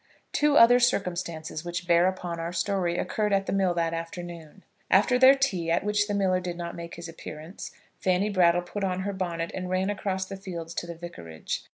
Two other circumstances which bear upon our story occurred at the mill that afternoon. After their tea, at which the miller did not make his appearance, Fanny Brattle put on her bonnet and ran across the fields to the vicarage.